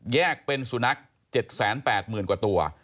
แยกเป็นสุนัข๗๘๐๐๐กว่าตัว